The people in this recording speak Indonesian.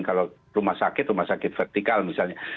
kalau rumah sakit rumah sakit vertikal misalnya